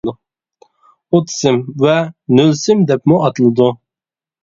ئوت سىم ۋە نۆل سىم دەپمۇ ئاتىلىدۇ.